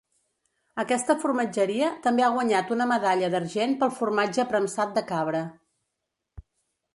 Aquesta formatgeria també ha guanyat una medalla d’argent pel formatge premsat de cabra.